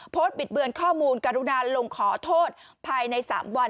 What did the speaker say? บิดเบือนข้อมูลกรุณาลงขอโทษภายใน๓วัน